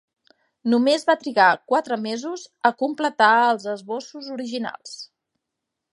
Només va trigar quatre mesos a completar els esbossos originals.